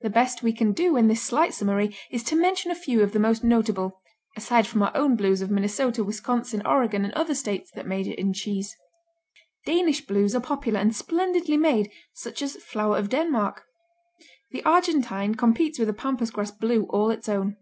The best we can do in this slight summary is to mention a few of the most notable, aside from our own Blues of Minnesota, Wisconsin, Oregon and other states that major in cheese. Danish Blues are popular and splendidly made, such as "Flower of Denmark." The Argentine competes with a pampas grass Blue all its own.